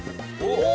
お！